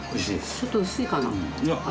ちょっと薄いかな味。